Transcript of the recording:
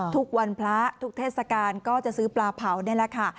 ทุกวันพระทุกเทศกาลก็จะซื้อปลาเผานี่แหละค่ะ